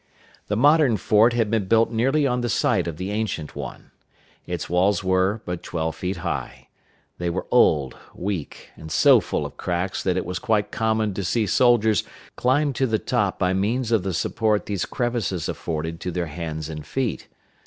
The modern fort had been built nearly on the site of the ancient one. Its walls were but twelve feet high. They were old, weak, and so full of cracks that it was quite common to see soldiers climb to the top by means of the support these crevices afforded to their hands and feet.